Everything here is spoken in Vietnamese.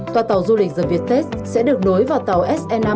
tòa tàu du lịch zervietes sẽ được đối vào tàu se năm